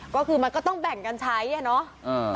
ก็คือมันก็ต้องแบ่งกันใช้อ่ะเนาะ